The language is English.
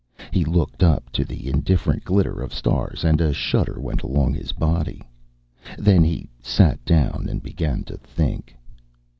He looked up to the indifferent glitter of stars, and a shudder went along his body. Then he sat down and began to think.